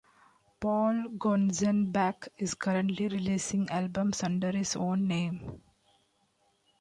Paul Gonzenbach is currently releasing albums under his own name.